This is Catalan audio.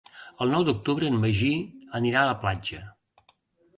El nou d'octubre en Magí anirà a la platja.